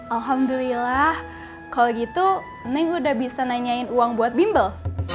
alhamdulillah kalau gitu neng udah bisa nanyain uang buat bimbel